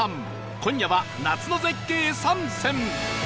今夜は夏の絶景３選